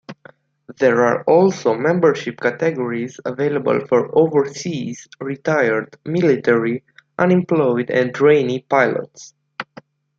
There are also membership categories available for overseas, retired, military, unemployed and trainee pilots.